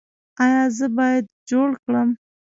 ایا زه باید جوړ کړم؟